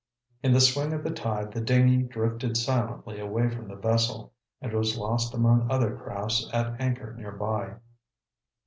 In the swing of the tide the dinghy drifted silently away from the vessel, and was lost among other crafts at anchor nearby.